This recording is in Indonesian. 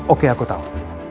oke aku tahu